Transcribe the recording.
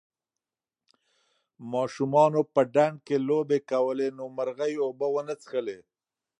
ماشومانو په ډنډ کې لوبې کولې نو مرغۍ اوبه ونه څښلې.